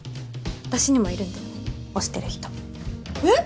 私にもいるんだよね推してる人えっ？